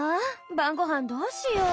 晩ご飯どうしよう。